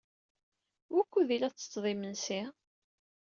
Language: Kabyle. Wukud ay la tettetteḍ imensi?